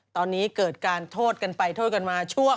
ตอนนี้เกิดการโทษกันไปโทษกันมาช่วง